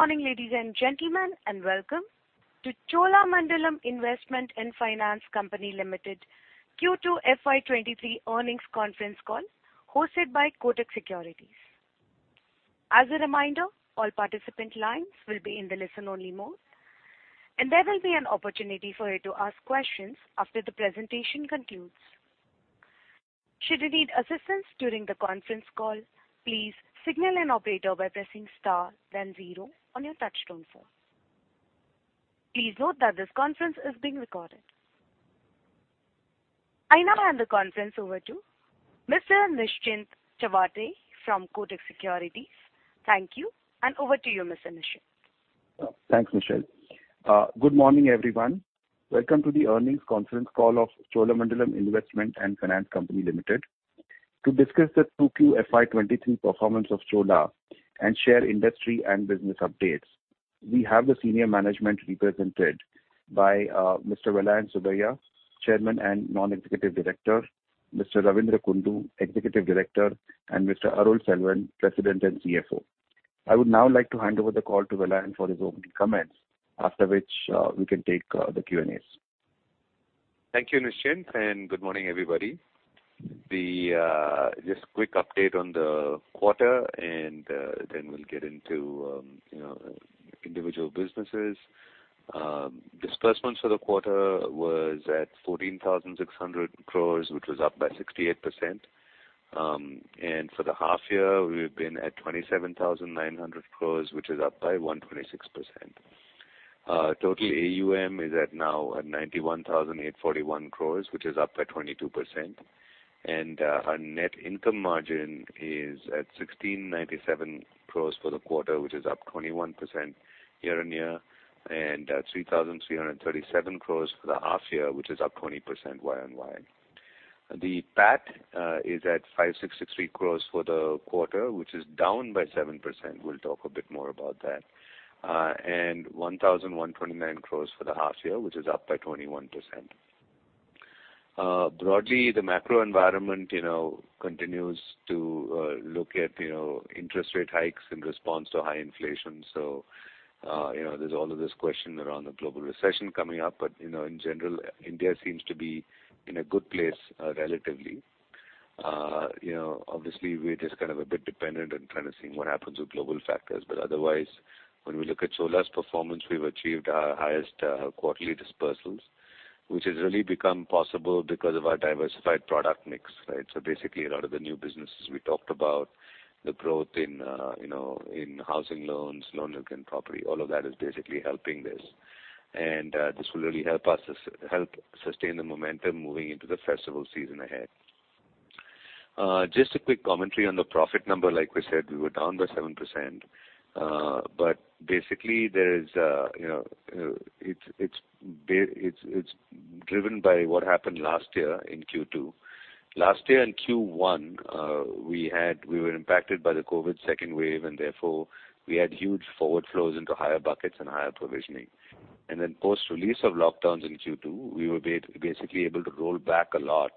Good morning, ladies and gentlemen, and welcome to Cholamandalam Investment and Finance Company Limited Q2 FY23 earnings conference call hosted by Kotak Securities. As a reminder, all participant lines will be in the listen-only mode, and there will be an opportunity for you to ask questions after the presentation concludes. Should you need assistance during the conference call, please signal an operator by pressing star then zero on your touchtone phone. Please note that this conference is being recorded. I now hand the conference over to Mr. Nischint Chawathe from Kotak Securities. Thank you. Over to you, Mr. Nischint. Thanks, Michelle. Good morning, everyone. Welcome to the earnings conference call of Cholamandalam Investment and Finance Company Limited. To discuss the 2Q FY23 performance of Chola and share industry and business updates, we have the senior management represented by Mr. Vellayan Subbiah, Chairman and Non-Executive Director, Mr. Ravindra Kumar Kundu, Executive Director, and Mr. D. Arulselvan, President and CFO. I would now like to hand over the call to Vellayan for his opening comments, after which we can take the Q&As. Thank you, Nischint, and good morning, everybody. Just a quick update on the quarter and then we'll get into you know, individual businesses. Disbursements for the quarter was at 14,600 crores, which was up by 68%. For the half year, we've been at 27,900 crores, which is up by 126%. Total AUM is now at 91,841 crores, which is up by 22%. Our net interest income is at 1,697 crores for the quarter, which is up 21% year-on-year, and 3,337 crores for the half year, which is up 20% year-on-year. The PAT is at 5,663 crores for the quarter, which is down by 7%. We'll talk a bit more about that. 1,129 crores for the half year, which is up by 21%. Broadly, the macro environment, you know, continues to look at, you know, interest rate hikes in response to high inflation. you know, there's all of this question around the global recession coming up. you know, in general, India seems to be in a good place, relatively. you know, obviously we're just kind of a bit dependent on kind of seeing what happens with global factors. Otherwise, when we look at Chola's performance, we've achieved our highest quarterly disbursements, which has really become possible because of our diversified product mix. Right? Basically, a lot of the new businesses we talked about, the growth in housing loans, loan against property, all of that is basically helping this. This will really help us sustain the momentum moving into the festival season ahead. Just a quick commentary on the profit number. Like we said, we were down by 7%. Basically, it's driven by what happened last year in Q2. Last year in Q1, we were impacted by the COVID second wave, and therefore we had huge forward flows into higher buckets and higher provisioning. Post-release of lockdowns in Q2, we were basically able to roll back a lot.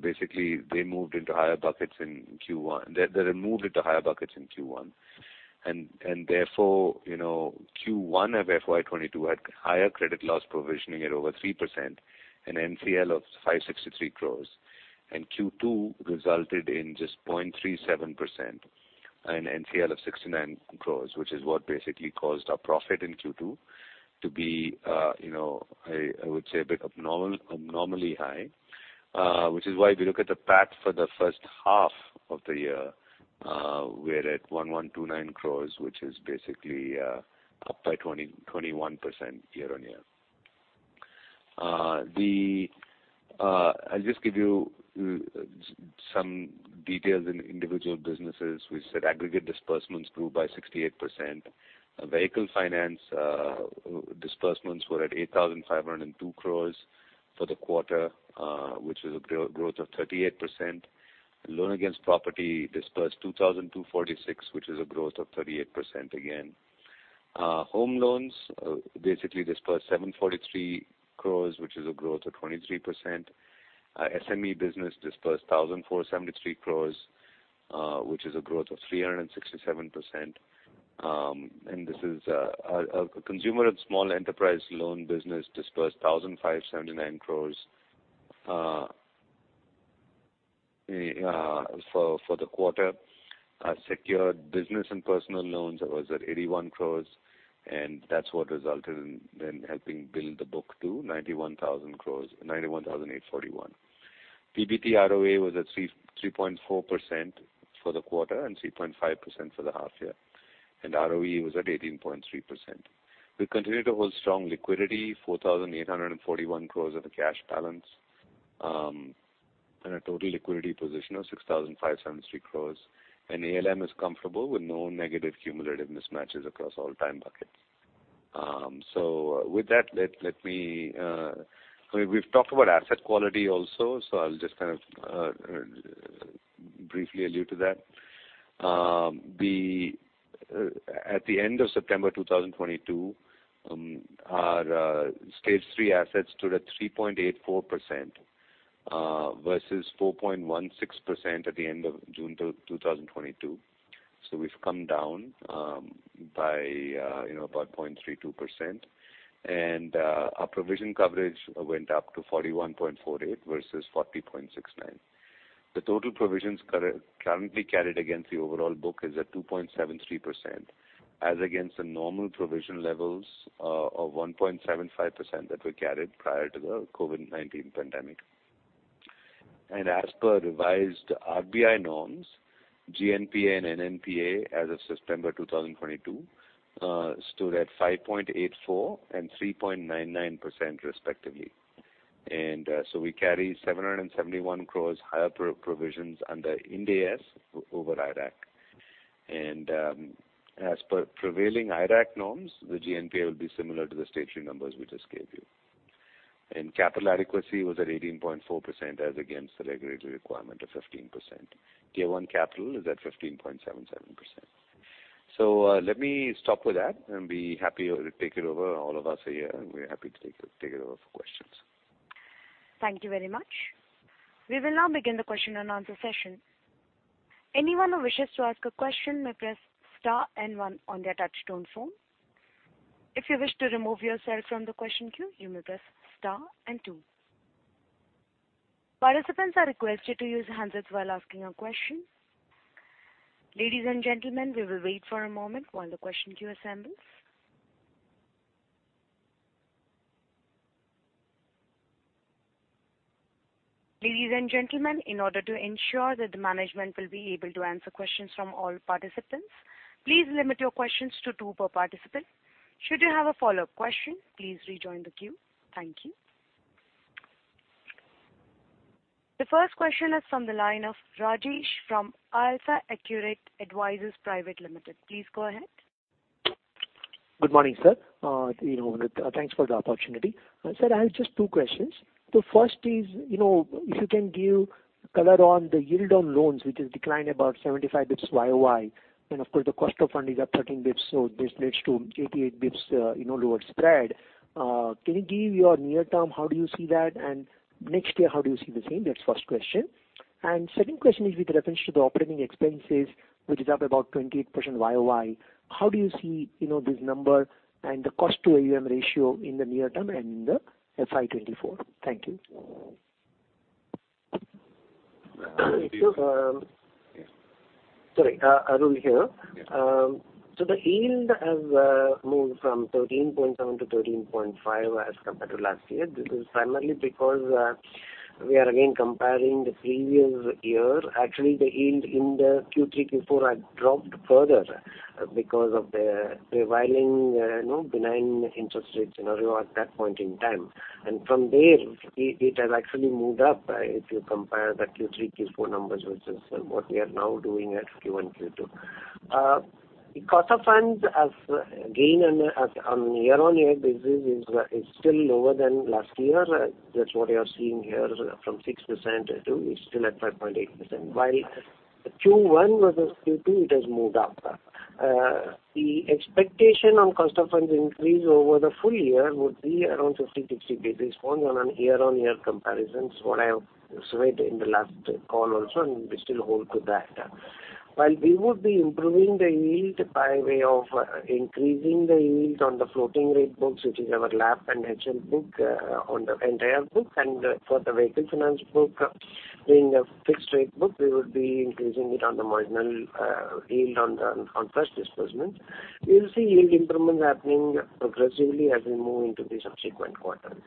Basically they moved into higher buckets in Q1. They moved into higher buckets in Q1. Therefore, you know, Q1 of FY 2022 had higher credit loss provisioning at over 3%, an ECL of 563 crore. Q2 resulted in just 0.37% and ECL of 69 crore, which is what basically caused our profit in Q2 to be, I would say a bit abnormally high. Which is why we look at the PAT for the first half of the year, we're at 1,129 crore, which is basically up by 21% year-on-year. I'll just give you some details in individual businesses. We said aggregate disbursements grew by 68%. Vehicle finance disbursements were at 8,502 crore for the quarter, which is a growth of 38%. Loan Against Property disbursed 2,246 crore, which is a growth of 38% again. Home loans basically disbursed 743 crore, which is a growth of 23%. SME business disbursed 1,473 crore, which is a growth of 367%. This is a consumer and small enterprise loan business disbursed 1,579 crore for the quarter. Secured business and personal loans was at 81 crore, and that's what resulted in then helping build the book to 91,000 crore, 91,841 crore. PBT ROA was at 3.4% for the quarter and 3.5% for the half year. ROE was at 18.3%. We continue to hold strong liquidity, 4,841 crores of the cash balance, and a total liquidity position of 6,573 crores. ALM is comfortable with no negative cumulative mismatches across all time buckets. With that, we've talked about asset quality also, so I'll just kind of briefly allude to that. At the end of September 2022, our stage three assets stood at 3.84%, versus 4.16% at the end of June 2022. We've come down by you know about 0.32%. Our provision coverage went up to 41.48% versus 40.69%. The total provisions currently carried against the overall book is at 2.73%, as against the normal provision levels of 1.75% that were carried prior to the COVID-19 pandemic. As per revised RBI norms, GNPA and NNPA as of September 2022 stood at 5.84% and 3.99% respectively. We carry 771 crore higher provisions under Ind AS over IRAC. As per prevailing IRAC norms, the GNPA will be similar to the stage three numbers we just gave you. Capital adequacy was at 18.4% as against the regulatory requirement of 15%. Tier one capital is at 15.77%. Let me stop with that and be happy to take it over. All of us are here, and we're happy to take it over for questions. Thank you very much. We will now begin the question-and-answer session. Anyone who wishes to ask a question may press star and one on their touchtone phone. If you wish to remove yourself from the question queue, you may press star and two. Participants are requested to use handsets while asking a question. Ladies and gentlemen, we will wait for a moment while the question queue assembles. Ladies and gentlemen, in order to ensure that the management will be able to answer questions from all participants, please limit your questions to two per participant. Should you have a follow-up question, please rejoin the queue. Thank you. The first question is from the line of Rajesh from Alpha Accurate Advisors Private Limited. Please go ahead. Good morning, sir. You know, thanks for the opportunity. Sir, I have just two questions. The first is, you know, if you can give color on the yield on loans, which has declined about 75 basis points year-over-year, and of course, the cost of funding is up 13 basis points, so this leads to 88 basis points, you know, lower spread. Can you give your near-term, how do you see that? And next year, how do you see the same? That's first question. Second question is with reference to the operating expenses, which is up about 28% year-over-year. How do you see, you know, this number and the cost-to-AUM ratio in the near-term and in the FY 2024? Thank you. Sorry, Arulselvan here. Yeah. The yield has moved from 13.7%-13.5% as compared to last year. This is primarily because we are again comparing the previous year. Actually, the yield in the Q3, Q4 had dropped further because of the prevailing you know, benign interest rate scenario at that point in time. From there, it has actually moved up if you compare the Q3, Q4 numbers, which is what we are now doing at Q1, Q2. The cost of funds on a year-on-year basis is still lower than last year. That's what you are seeing here from 6% to still at 5.8%. While Q1 versus Q2, it has moved up. The expectation on cost of funds increase over the full year would be around 50, 60 basis points on a year-on-year comparison. What I have said in the last call also, and we still hold to that. While we would be improving the yield by way of increasing the yield on the floating rate books, which is our LAP and HL book, on the entire book, and for the vehicle finance book, being a fixed rate book, we would be increasing it on the marginal yield on the first disbursement. We'll see yield improvements happening progressively as we move into the subsequent quarters.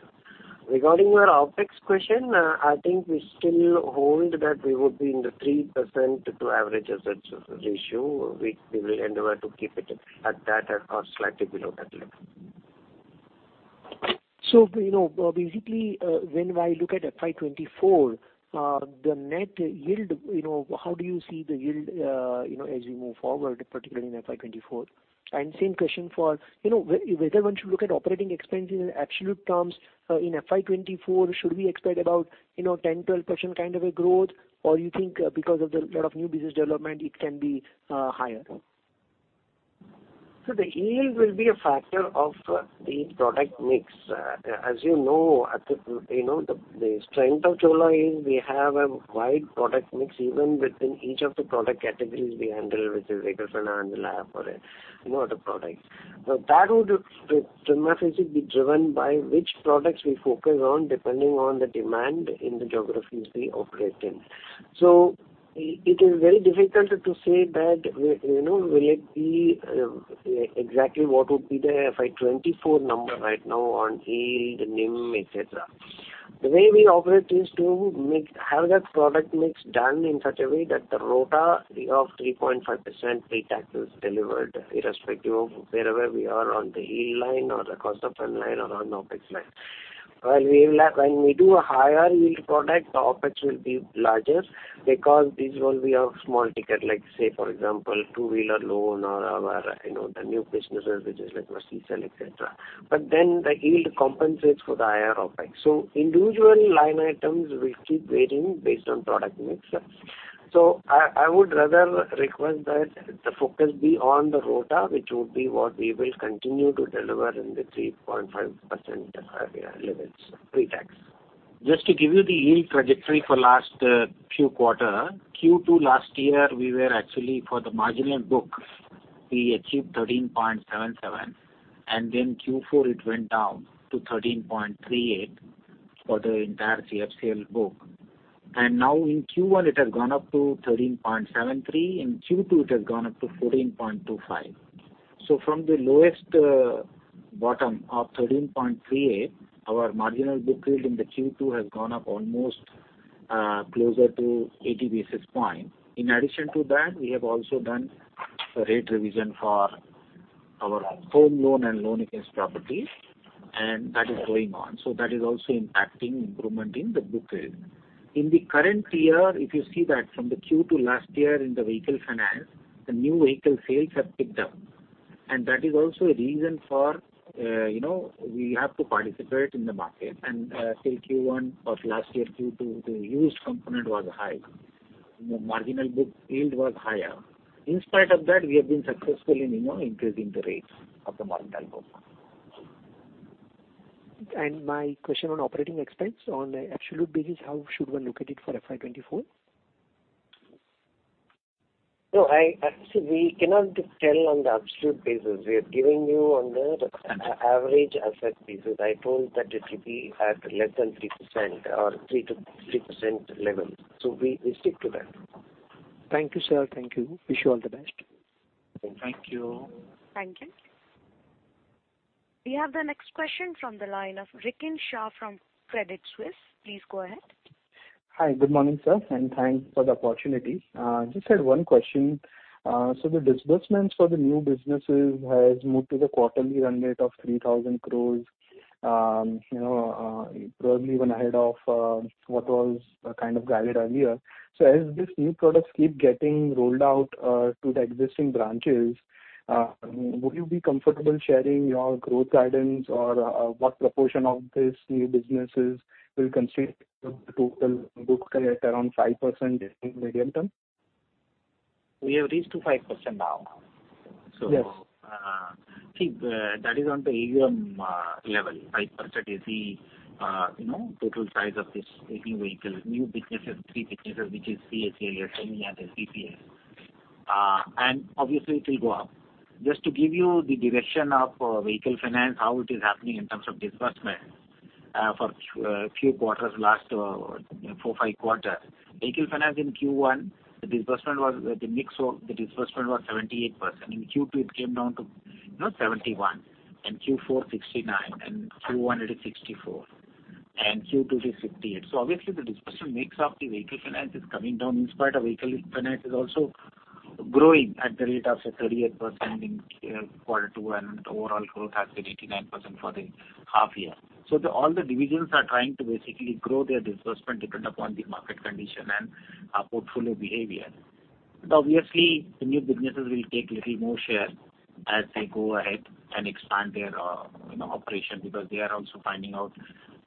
Regarding your OpEx question, I think we still hold that we would be in the 3% to average assets ratio. We will endeavor to keep it at that or slightly below that level. You know, basically, when I look at FY 2024, the net yield, you know, how do you see the yield, you know, as we move forward, particularly in FY 2024? Same question for, you know, whether one should look at operating expenses in absolute terms, in FY 2024, should we expect about, you know, 10%-12% kind of a growth? Or you think because of the lot of new business development, it can be higher? The yield will be a factor of the product mix. As you know, the strength of Chola is we have a wide product mix, even within each of the product categories we handle, which is vehicle finance, LAP, or other products. Now, that would primarily be driven by which products we focus on depending on the demand in the geographies we operate in. It is very difficult to say that, will it be exactly what would be the FY 2024 number right now on yield, NIM, et cetera. The way we operate is to have that product mix done in such a way that the ROTA of 3.5% pre-tax is delivered irrespective of wherever we are on the yield line or the cost of fund line or on OpEx line. While we will have—when we do a higher yield product, the OpEx will be larger because these will be of small ticket, like say for example, two-wheeler loan or, you know, the new businesses which is like mercy sale, et cetera. But then the yield compensates for the higher OpEx. Individual line items will keep varying based on product mix. I would rather request that the focus be on the ROTA, which would be what we will continue to deliver in the 3.5% ROA levels pre-tax. Just to give you the yield trajectory for last few quarter, Q2 last year we were actually for the marginal book, we achieved 13.77%, and then Q4 it went down to 13.38% for the entire CFCL book. Now in Q1 it has gone up to 13.73%. In Q2 it has gone up to 14.25%. From the lowest bottom of 13.38%, our marginal book yield in the Q2 has gone up almost closer to 80 basis points. In addition to that, we have also done a rate revision for our home loan and loan against properties, and that is going on. That is also impacting improvement in the book yield. In the current year, if you see that from the Q2 last year in the Vehicle Finance, the new vehicle sales have picked up and that is also a reason for, you know, we have to participate in the market. Say Q1 of last year Q2, the used component was high. The marginal book yield was higher. In spite of that, we have been successful in, you know, increasing the rates of the marginal book. My question on operating expense on an absolute basis, how should one look at it for FY 2024? No, actually we cannot tell on the absolute basis. We are giving you on the average asset basis. I told that it will be at less than 3% or 3%-3% level. We stick to that. Thank you, sir. Thank you. Wish you all the best. Thank you. Thank you. We have the next question from the line of Rikin Shah from Credit Suisse. Please go ahead. Hi, good morning, sir, and thanks for the opportunity. Just had one question. The disbursements for the new businesses has moved to the quarterly run rate of 3,000 crore. You know, probably even ahead of what was kind of guided earlier. As these new products keep getting rolled out to the existing branches, would you be comfortable sharing your growth guidance or what proportion of this new businesses will contribute to the total books at around 5% in medium term? We have reached to 5% now. Yes. That is on the AUM level. 5% is the, you know, total size of this new vehicle, new businesses, three businesses, which is CSEL, SME and SBPL. Obviously it will go up. Just to give you the direction of vehicle finance, how it is happening in terms of disbursement for the last few quarters, four, five quarters. Vehicle finance in Q1, the mix of the disbursement was 78%. In Q2 it came down to, you know, 71%, and Q4 69% and Q1 it is 64% and Q2 it is 68%. Obviously the disbursement mix of the vehicle finance is coming down in spite of vehicle finance is also growing at the rate of, say, 38% in quarter two and overall growth has been 89% for the half year. All the divisions are trying to basically grow their disbursements depending upon the market conditions and portfolio behavior. Obviously the new businesses will take a little more share as they go ahead and expand their, you know, operations because they are also finding out,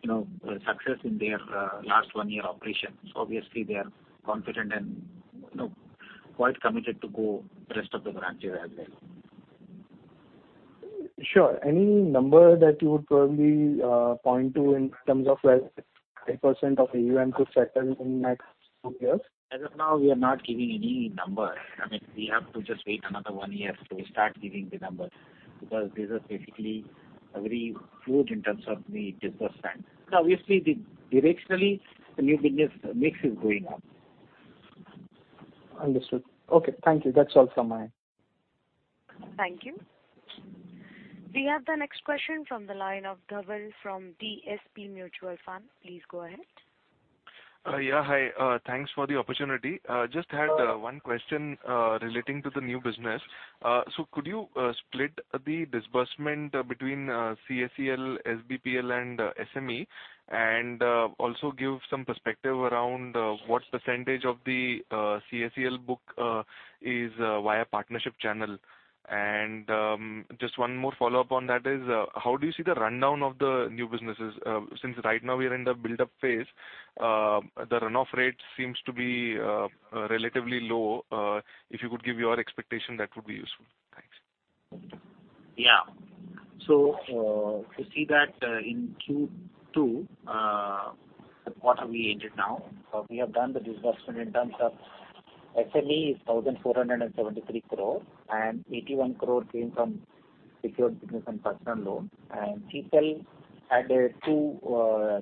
you know, success in their last one year operations. Obviously they are confident and, you know, quite committed to grow the rest of the branches as well. Sure. Any number that you would probably point to in terms of where 10% of AUM could settle in next two years? As of now we are not giving any number. I mean, we have to just wait another 1 year so we start giving the numbers because these are basically very fluid in terms of the disbursements. Obviously, directionally, the new business mix is going up. Understood. Okay. Thank you. That's all from my end. Thank you. We have the next question from the line of Dhaval from DSP Mutual Fund. Please go ahead. Yeah, hi. Thanks for the opportunity. Just had one question relating to the new business. So could you split the disbursement between CSEL, SBPL and SME and also give some perspective around what percentage of the CSEL book is via partnership channel? Just one more follow-up on that is how do you see the rundown of the new businesses? Since right now we are in the buildup phase. The runoff rate seems to be relatively low. If you could give your expectation, that would be useful. Thanks. Yeah. If you see that, in Q2, the quarter we ended now, we have done the disbursement in terms of SME is 1,473 crore and 81 crore came from secured business and personal loan. CSEL had two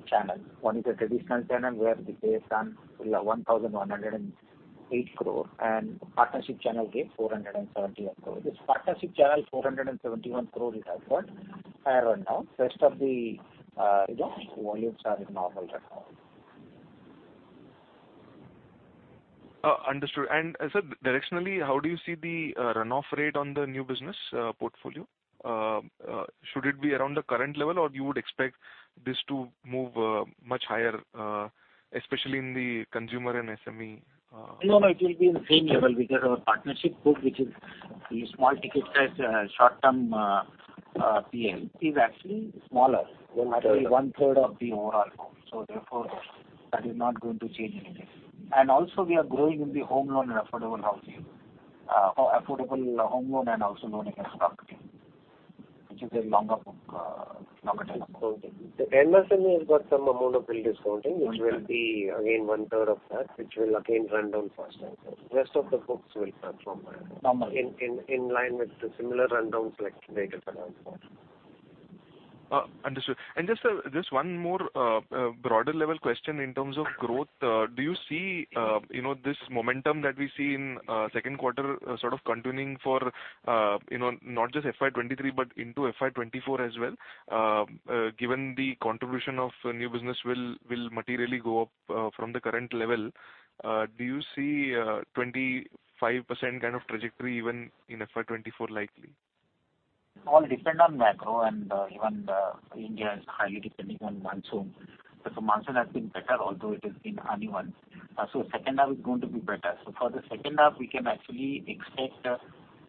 channels. One is the traditional channel where they have done 1,108 crore and partnership channel gave 471 crore. This partnership channel 471 crore it has got higher runoff. Rest of the, you know, volumes are in normal runoff. Understood. Sir, directionally, how do you see the runoff rate on the new business portfolio? Should it be around the current level or you would expect this to move much higher, especially in the consumer and SME. No, no, it will be in the same level because our partnership book, which is the small ticket size, short-term, PM is actually smaller. 1/3. Actually one third of the overall loan. Therefore that is not going to change anything. Also we are growing in the home loan and affordable housing, affordable home loan and also loan against property, which is a longer term loan. Okay. The MSME has got some amount of bill discounting which will be again one third of that, which will again run down faster. Rest of the books will perform. Normally. In line with the similar rundowns like Vehicle Finance for. Understood. Just one more broader level question in terms of growth. Do you see, you know, this momentum that we see in second quarter sort of continuing for, you know, not just FY 2023 but into FY 2024 as well? Given the contribution of new business will materially go up from the current level, do you see a 25% kind of trajectory even in FY 2024 likely? It all depend on macro and even the India is highly depending on monsoon. Monsoon has been better, although it has been uneven. Second half is going to be better. For the second half we can actually expect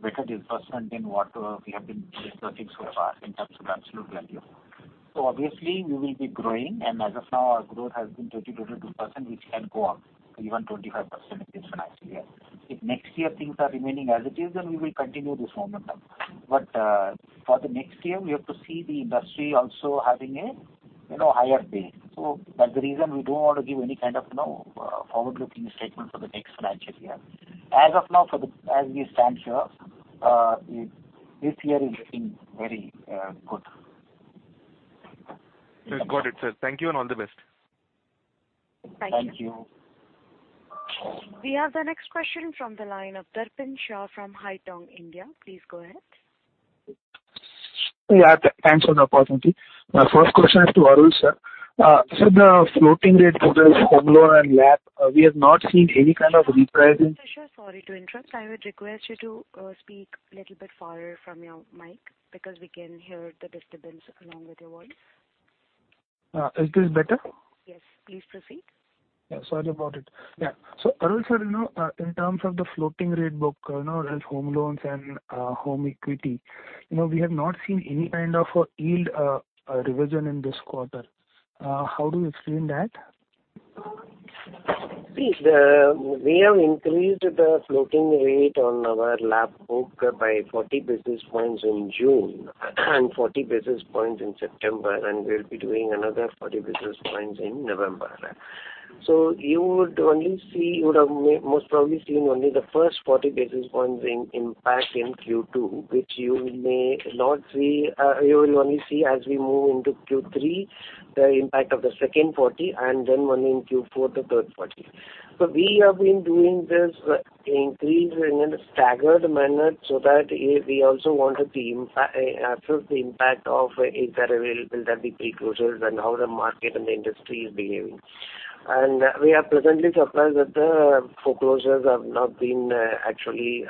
better disbursement than what we have been disbursing so far in terms of absolute value. Obviously we will be growing and as of now our growth has been 22%-32%, which can go up to even 25% in this financial year. If next year things are remaining as it is, then we will continue this momentum. For the next year we have to see the industry also having a, you know, higher base. That's the reason we don't want to give any kind of, you know, forward-looking statement for the next financial year. As of now for the—as we stand here, this year is looking very good. Yes. Got it, sir. Thank you and all the best. Thank you. Thank you. We have the next question from the line of Darpin Shah from Haitong India. Please go ahead. Yeah. Thanks for the opportunity. My first question is to Arulselvan. So the floating rate book is home loan and LAP. We have not seen any kind of repricing. Mr. Shah, sorry to interrupt. I would request you to speak little bit farther from your mic because we can hear the disturbance along with your voice. Is this better? Yes, please proceed. Yeah, sorry about it. Yeah. Arul sir, you know, in terms of the floating rate book, you know, as home loans and home equity, you know, we have not seen any kind of a yield revision in this quarter. How do you explain that? We have increased the floating rate on our LAP book by 40 basis points in June and 40 basis points in September and we'll be doing another 40 basis points in November. You would only see, you would have most probably seen only the first 40 basis points in impact in Q2, which you may not see. You will only see as we move into Q3, the impact of the second 40 and then one in Q4, the third 40. We have been doing this increase in a staggered manner so that we also wanted to assess the impact of the pre-closures and how the market and the industry is behaving. We are pleasantly surprised that the foreclosures have not been actually,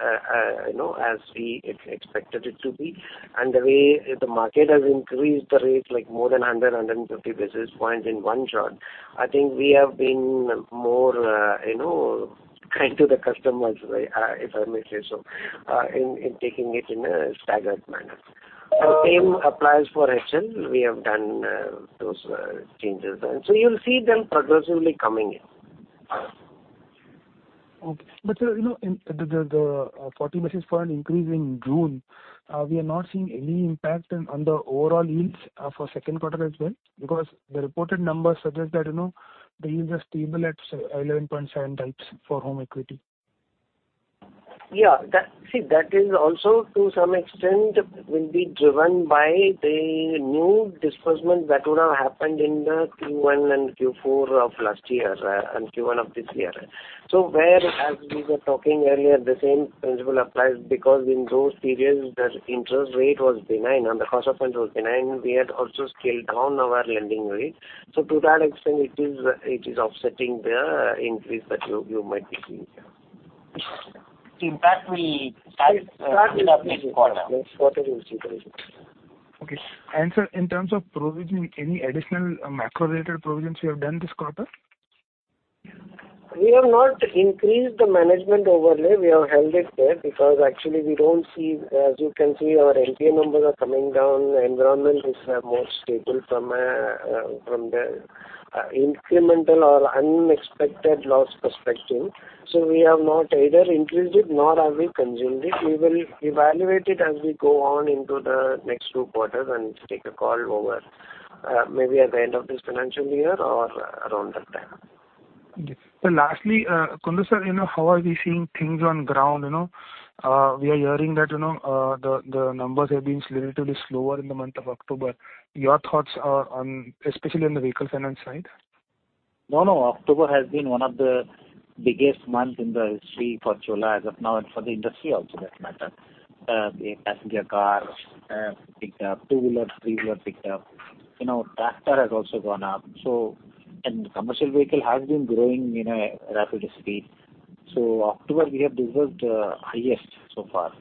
you know, as we expected it to be. The way the market has increased the rates like more than 150 basis points in one shot. I think we have been more, you know, kind to the customers, right? If I may say so, in taking it in a staggered manner. The same applies for HL. We have done those changes. You'll see them progressively coming in. Okay. Sir, you know, in the 40 basis points increase in June, we are not seeing any impact on the overall yields for second quarter as well because the reported numbers suggest that, you know, the yields are stable at 11.7% for home equity. Yeah. That is also to some extent will be driven by the new disbursement that would have happened in the Q1 and Q4 of last year and Q1 of this year. Whereas we were talking earlier, the same principle applies because in those periods the interest rate was benign and the cost of funds was benign. We had also scaled down our lending rate. To that extent it is offsetting the increase that you might be seeing here. In fact we. Start in the next quarter. Next quarter you'll see the results. Okay. Sir, in terms of provisioning, any additional macro-related provisions you have done this quarter? We have not increased the management overlay. We have held it there because actually we don't see as you can see our NPA numbers are coming down. Environment is more stable from the incremental or unexpected loss perspective. We have not either increased it nor have we consumed it. We will evaluate it as we go on into the next two quarters and take a call over, maybe at the end of this financial year or around that time. Okay. Lastly, Kundu sir, you know, how are we seeing things on ground, you know? We are hearing that, you know, the numbers have been relatively slower in the month of October. Your thoughts on, especially on the vehicle finance side. No, no. October has been one of the biggest month in the history for Chola as of now and for the industry also for that matter. The passenger car, pickup, two-wheeler, three-wheeler pickup. You know, tractor has also gone up. And commercial vehicle has been growing in a rapid speed. October we have disbursed highest so far.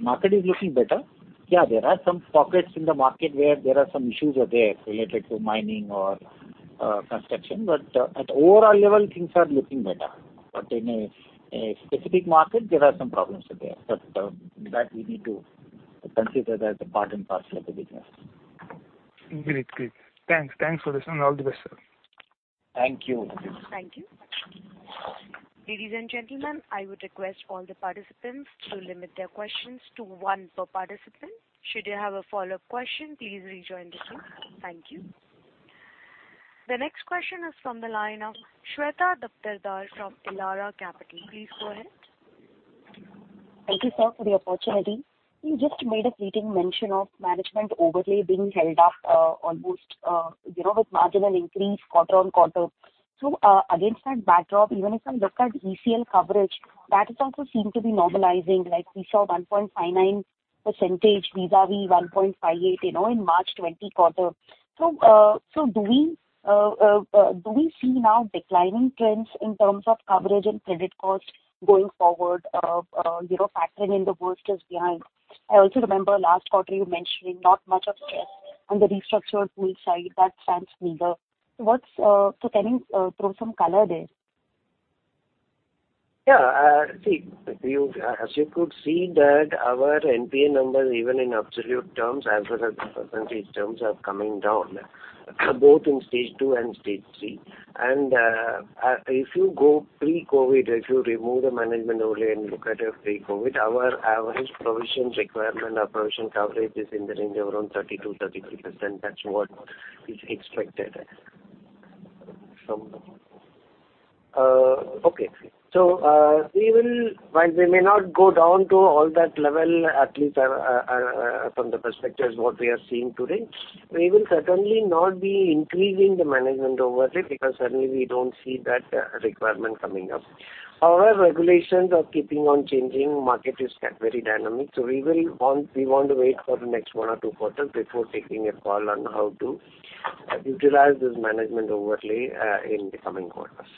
Market is looking better. Yeah, there are some pockets in the market where there are some issues are there related to mining or construction, but at overall level, things are looking better. In a specific market, there are some problems with that, but that we need to consider the part and parcel of the business. Agreed. Great. Thanks. Thanks for this and all the best, sir. Thank you. Thank you. Ladies and gentlemen, I would request all the participants to limit their questions to one per participant. Should you have a follow-up question, please rejoin the queue. Thank you. The next question is from the line of Shweta Daptardar from Elara Capital. Please go ahead. Thank you, sir, for the opportunity. You just made a fleeting mention of management overlay being held up, almost, you know, with marginal increase quarter-on-quarter. Against that backdrop, even if I look at ECL coverage, that is also seem to be normalizing. Like we saw 1.59% vis-à-vis 1.58%, you know, in March 2020 quarter. Do we see now declining trends in terms of coverage and credit cost going forward, you know, factoring in the worst is behind? I also remember last quarter you mentioning not much of stress on the restructured pool side that stands meager. Can you throw some color there? Yeah. See, as you could see that our NPA numbers, even in absolute terms, as well as percentage terms, are coming down, both in stage two and stage three. If you go pre-COVID, if you remove the management overlay and look at it pre-COVID, our average provision requirement or provision coverage is in the range of around 30%-32%. That's what is expected. While we may not go down to all that level, at least, from the perspective what we are seeing today, we will certainly not be increasing the management overlay because certainly we don't see that requirement coming up. However, regulations are keeping on changing. Market is very dynamic, so we want to wait for the next one or two quarters before taking a call on how to utilize this management overlay in the coming quarters.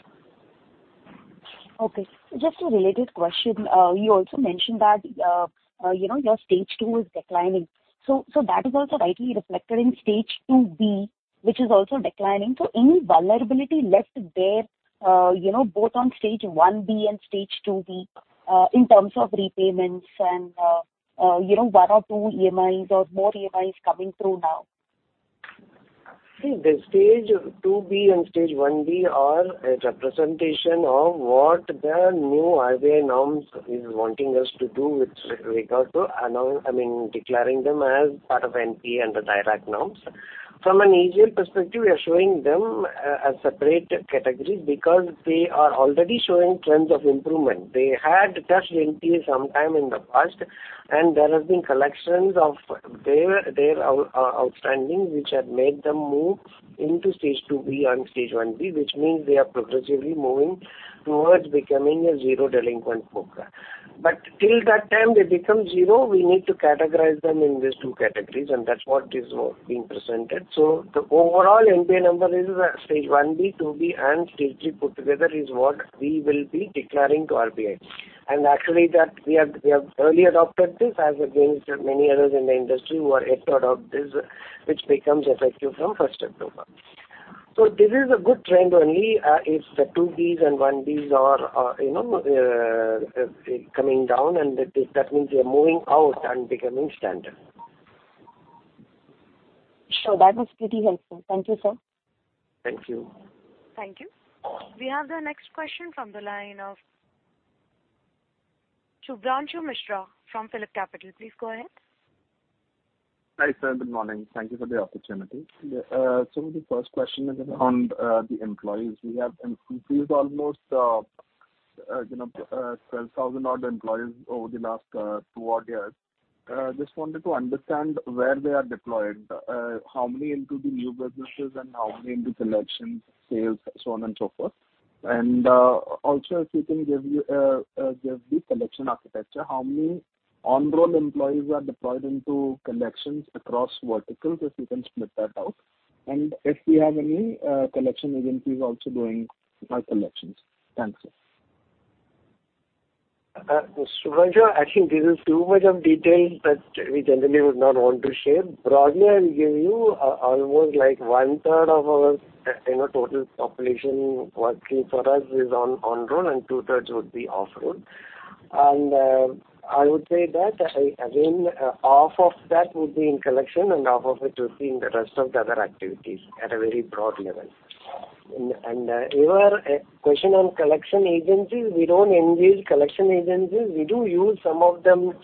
Okay. Just a related question. You also mentioned that, you know, your stage two is declining. So that is also rightly reflected in stage 2B, which is also declining. So any vulnerability left there, you know, both on stage 1B and stage 2B, in terms of repayments and, you know, one or two EMIs or more EMIs coming through now? See, the stage 2B and stage 1B are a representation of what the new RBI norms is wanting us to do with regard to, I mean, declaring them as part of NPA under IRAC norms. From an ECL perspective, we are showing them a separate category because they are already showing trends of improvement. They had touched NPA sometime in the past, and there have been collections of their outstandings which have made them move into stage 2B and stage 1B, which means they are progressively moving towards becoming a zero delinquent program. But till that time they become zero, we need to categorize them in these two categories, and that's what is being presented. The overall NPA number is stage 1B, 2B, and stage three put together is what we will be declaring to RBI. Actually, that we have early adopted this as against many others in the industry who are yet to adopt this, which becomes effective from first October. This is a good trend only, if the 2Bs and 1Bs are, you know, coming down and that is, that means they are moving out and becoming standard. Sure. That was pretty helpful. Thank you, sir. Thank you. Thank you. We have the next question from the line of Shubhranshu Mishra from PhillipCapital. Please go ahead. Hi, sir. Good morning. Thank you for the opportunity. The first question is on the employees. We have increased almost, you know, 12,000 odd employees over the last two odd years. Just wanted to understand where they are deployed. How many into the new businesses and how many into collections, sales, so on and so forth. Also if you can give the collection architecture, how many on-roll employees are deployed into collections across verticals, if you can split that out. If we have any collection agencies also doing our collections. Thanks. Shubhranshu, actually this is too much of details that we generally would not want to share. Broadly, I will give you, almost like one-third of our, you know, total population working for us is on-roll and two-thirds would be off-roll. I would say that, again, half of that would be in collection and half of it would be in the rest of the other activities at a very broad level. Your question on collection agencies, we don't engage collection agencies. We do use some of them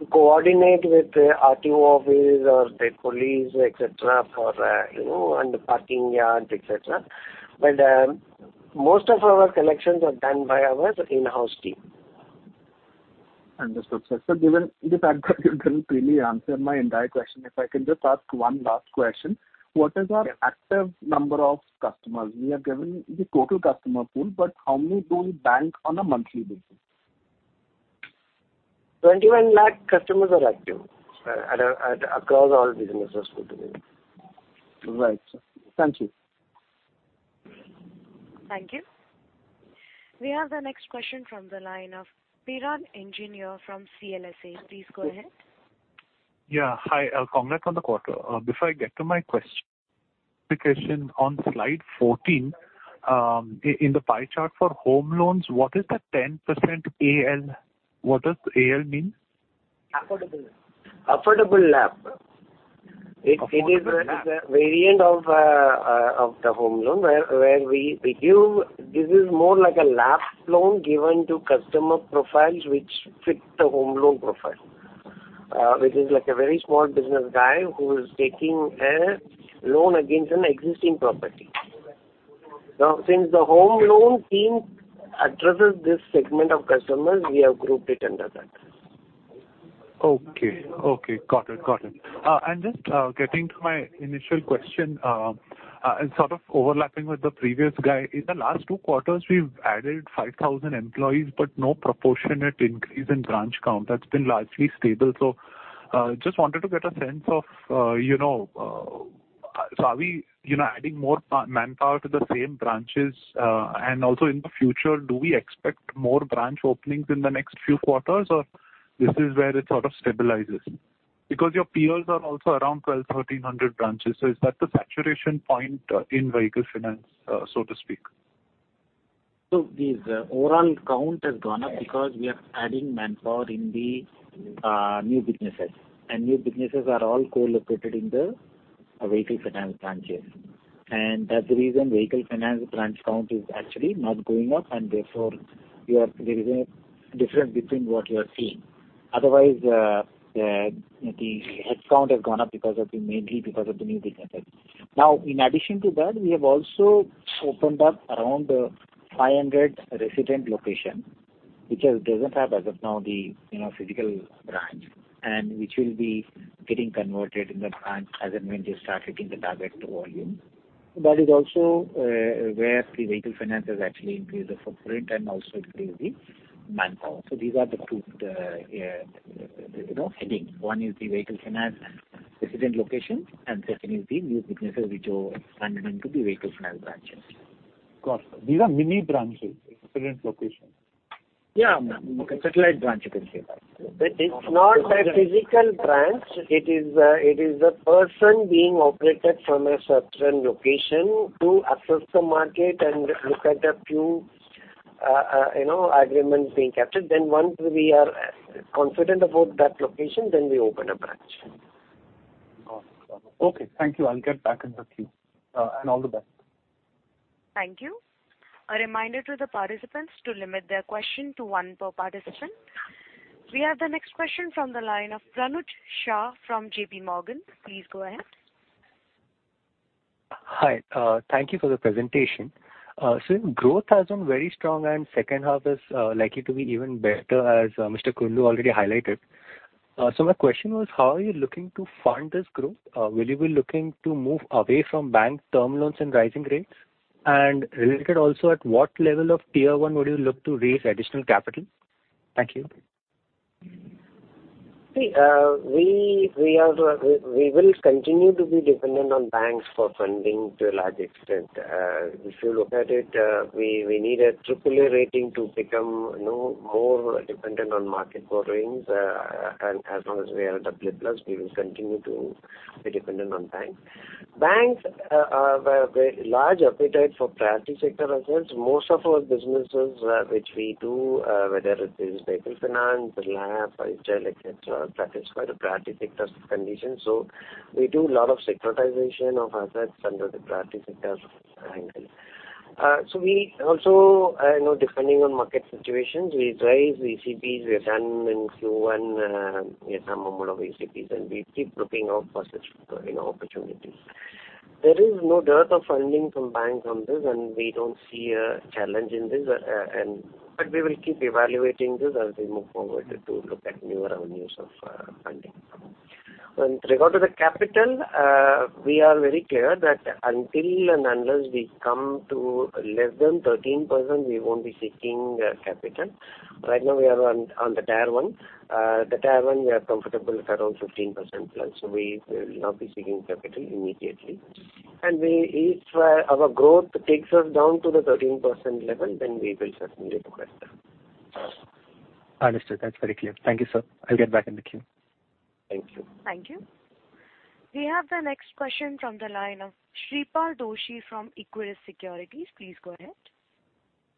to coordinate with RTO office or the police, et cetera, for, you know, and parking yards, et cetera. Most of our collections are done by our in-house team. Understood, sir. Given the fact that you didn't really answer my entire question, if I can just ask one last question. What is our active number of customers? You have given the total customer pool, but how many do we bank on a monthly basis? 21 lakh customers are active across all businesses put together. Right. Thank you. Thank you. We have the next question from the line of Piran Engineer from CLSA. Please go ahead. Yeah. Hi, congrats on the quarter. Before I get to my question, on slide 14, in the pie chart for home loans, what is the 10% AL? What does AL mean? Affordable. Affordable LAP. Affordable LAP. It's a variant of the home loan. This is more like a LAP loan given to customer profiles which fit the home loan profile. Which is like a very small business guy who is taking a loan against an existing property. Now, since the home loan team addresses this segment of customers, we have grouped it under that. Okay. Got it. Just getting to my initial question and sort of overlapping with the previous guy. In the last two quarters, we've added 5,000 employees, but no proportionate increase in branch count. That's been largely stable. Just wanted to get a sense of, you know, so are we, you know, adding more manpower to the same branches? Also in the future, do we expect more branch openings in the next few quarters or this is where it sort of stabilizes? Because your peers are also around 1,200-1,300 branches, so is that the saturation point in vehicle finance so to speak? The overall count has gone up because we are adding manpower in the new businesses, and new businesses are all co-located in the Vehicle Finance branches. That's the reason Vehicle Finance branch count is actually not going up and therefore there is a difference between what you are seeing. Otherwise, the headcount has gone up mainly because of the new businesses. Now, in addition to that, we have also opened up around 500 resident locations, which doesn't have as of now the physical branch, and which will be getting converted into the branch as and when they start hitting the target volume. That is also where the Vehicle Finance has actually increased the footprint and also increased the manpower. These are the two heading, one is the Vehicle Finance rural location and second is the new businesses which are expanded into the Vehicle Finance branches. Got it. These are mini branches, resident locations? Yeah. Okay. Satellite branch you can say that. It's not a physical branch. It is a person operating from a certain location to assess the market and look at a few, you know, agreements being captured. Once we are confident about that location, then we open a branch. Awesome. Okay. Thank you. I'll get back in the queue. All the best. Thank you. A reminder to the participants to limit their question to one per participant. We have the next question from the line of Pranav Shah from J.P. Morgan. Please go ahead. Hi. Thank you for the presentation. Growth has been very strong and second half is likely to be even better as Mr. Kundu already highlighted. My question was, how are you looking to fund this growth? Will you be looking to move away from bank term loans and rising rates? Related also, at what level of tier one would you look to raise additional capital? Thank you. See, we will continue to be dependent on banks for funding to a large extent. If you look at it, we need a AAA rating to become no more dependent on market borrowings. As long as we are AA+, we will continue to be dependent on banks. Banks have a large appetite for priority sector assets. Most of our businesses, which we do, whether it is Vehicle Finance, LAP, retail, et cetera, that is quite a priority sector condition. We do lot of securitization of assets under the priority sectors angle. We also, you know, depending on market situations, we raise NCDs. We have done in Q1 some amount of NCDs, and we keep looking out for such, you know, opportunities. There is no dearth of funding from banks on this, and we don't see a challenge in this. We will keep evaluating this as we move forward to look at newer avenues of funding. With regard to the capital, we are very clear that until and unless we come to less than 13%, we won't be seeking capital. Right now we are on the Tier 1. The Tier 1 we are comfortable with around 15%+, so we will not be seeking capital immediately. We, if our growth takes us down to the 13% level, then we will certainly request that. Understood. That's very clear. Thank you, sir. I'll get back in the queue. Thank you. Thank you. We have the next question from the line of Shreepal Doshi from Equirus Securities. Please go ahead.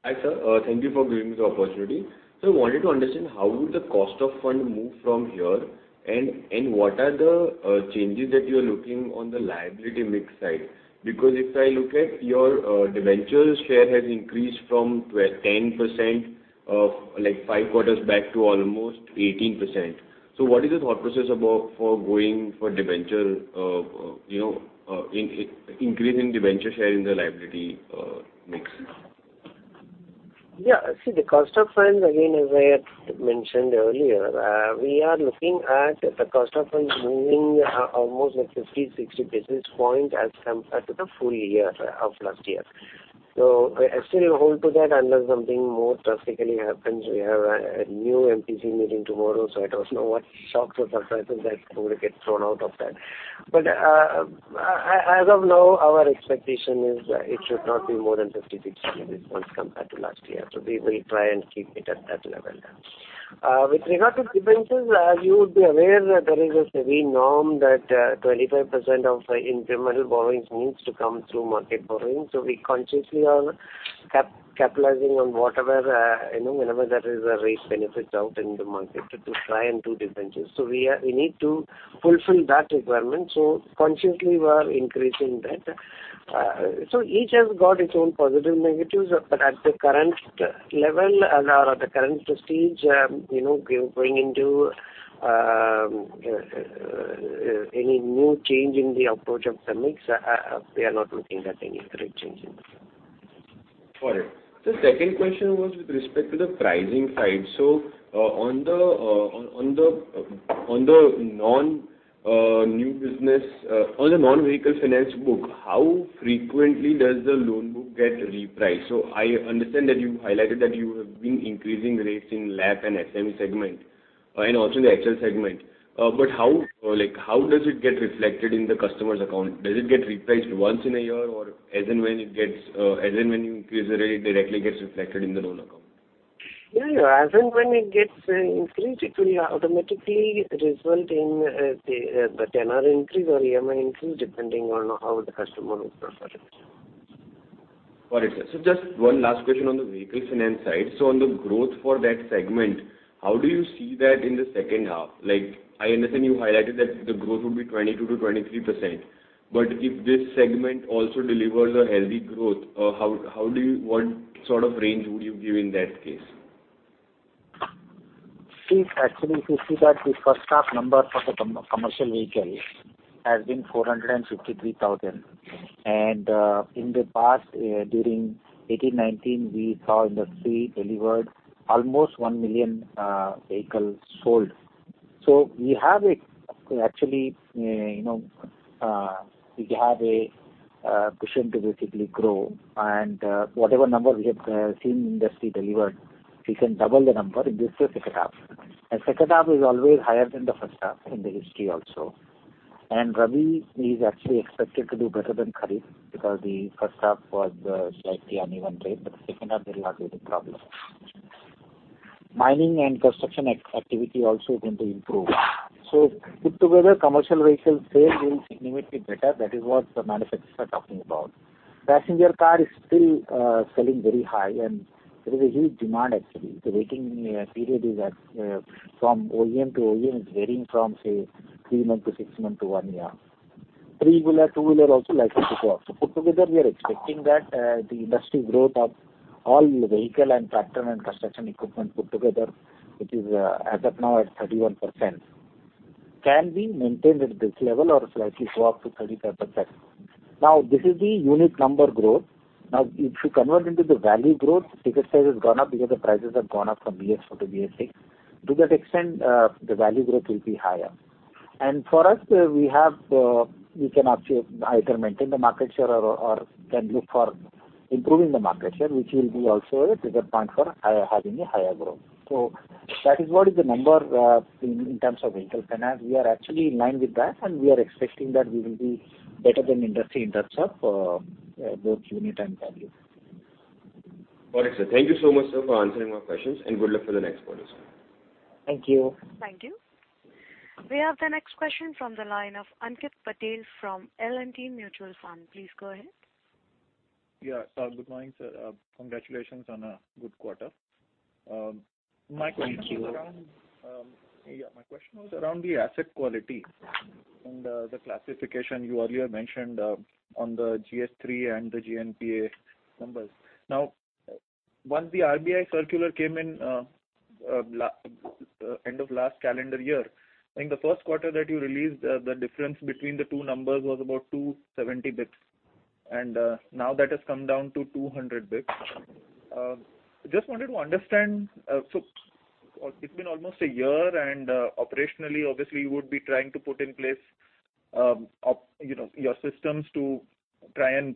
Hi, sir. Thank you for giving me the opportunity. I wanted to understand how would the cost of fund move from here, and what are the changes that you're looking on the liability mix side? Because if I look at your debentures share has increased from 10% like five quarters back to almost 18%. What is the thought process about for going for debenture, you know, in increasing debenture share in the liability mix? Yeah. See, the cost of funds, again, as I had mentioned earlier, we are looking at the cost of funds moving almost like 50-60 basis points as compared to the full year of last year. I still hold to that unless something more drastically happens. We have a new MPC meeting tomorrow, so I don't know what shocks or surprises that would get thrown out of that. As of now, our expectation is it should not be more than 50-60 basis points compared to last year. We will try and keep it at that level now. With regard to debentures, you would be aware that there is an RBI norm that 25% of incremental borrowings needs to come through market borrowing. We consciously are capitalizing on whatever, you know, whenever there is a rate benefit out in the market to try and do debentures. We need to fulfill that requirement. Consciously we are increasing that. Each has got its own positive negatives. But at the current level and at our current stage, you know, going into any new change in the approach of the mix, we are not looking at any great change in this. Got it. The second question was with respect to the pricing side. On the non-vehicle finance book, how frequently does the loan book get repriced? I understand that you highlighted that you have been increasing rates in LAP and SME segment, and also the HL segment. Like, how does it get reflected in the customer's account? Does it get repriced once in a year or as and when you increase the rate, it directly gets reflected in the loan account? Yeah, yeah. As and when it gets increased, it will automatically result in the tenor increase or EMI increase depending on how the customer would prefer it. Got it. Just one last question on the Vehicle Finance side. On the growth for that segment, how do you see that in the second half? Like, I understand you highlighted that the growth would be 22%-23%, but if this segment also delivers a healthy growth, how do you what sort of range would you give in that case? See, actually, if you see that the first half number for the commercial vehicle has been 453,000. In the past, during 2018, 2019, we saw industry delivered almost 1 million vehicles sold. We have a cushion to basically grow and whatever number we have seen industry delivered, we can double the number in this second half. Second half is always higher than the first half in the history also. Rabi is actually expected to do better than Kharif because the first half was slightly uneven rain, but second half there will not be any problem. Mining and construction activity also going to improve. Put together commercial vehicle sales will significantly better. That is what the manufacturers are talking about. Passenger car is still selling very high and there is a huge demand actually. The waiting period is at from OEM to OEM is varying from, say, 3 months-6 months to 1 year. Three-wheeler, two-wheeler also likely to go up. Put together, we are expecting that the industry growth of all vehicle and tractor and construction equipment put together, which is as of now at 31% can be maintained at this level or slightly go up to 35%. Now, this is the unit number growth. Now, if you convert into the value growth, ticket size has gone up because the prices have gone up from BS4-BS6. To that extent, the value growth will be higher. For us, we have, we can actually either maintain the market share or can look for improving the market share, which will be also a trigger point for higher, having a higher growth. That is what is the number in terms of Vehicle Finance. We are actually in line with that and we are expecting that we will be better than industry in that sense for both unit and value. Got it, sir. Thank you so much, sir, for answering our questions, and good luck for the next quarters. Thank you. Thank you. We have the next question from the line of Ankit Patel from L&T Mutual Fund. Please go ahead. Yeah. Good morning, sir. Congratulations on a good quarter. My question. Thank you. Was around, yeah, my question was around the asset quality and, the classification you earlier mentioned, on the GS3 and the GNPA numbers. Now, once the RBI circular came in, late end of last calendar year, I think the first quarter that you released, the difference between the two numbers was about 270 basis points and, now that has come down to 200 basis points. Just wanted to understand, so it's been almost a year and, operationally obviously you would be trying to put in place, you know, your systems to try and